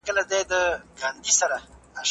ښوونکي باید د تدریس نوي مېتودونه زده کړي.